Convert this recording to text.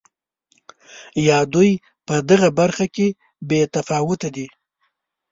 یا دوی په دغه برخه کې بې تفاوته دي.